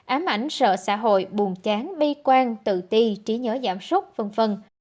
ám ảnh sợ xã hội bùm chán bi quan tự ti trí nhớ giảm súc v v